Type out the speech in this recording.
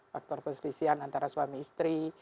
faktor perselisihan antara suami istri